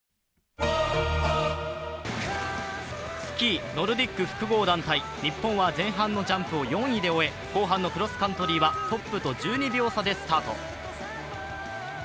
スキー・ノルディック複合団体、日本は前半のジャンプを４位で終え後半のクロスカントリーはトップと１２秒差でスタート。